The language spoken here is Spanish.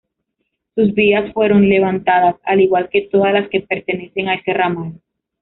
Sus vías fueron levantadas al igual que todas las que pertenecen a ese ramal.